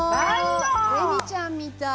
レミちゃんみたい！